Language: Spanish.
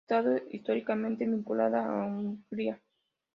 Ha estado históricamente vinculada a Hungría.